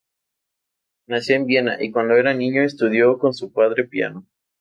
Nació en Viena y cuando era niño estudió con su padre piano.